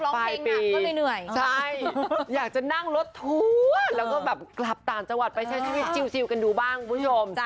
ปลายปีใช่อยากจะนั่งรถทวนแล้วก็แบบกลับต่างจังหวัดไปใช้ชีวิตซิวกันดูบ้างผู้ชม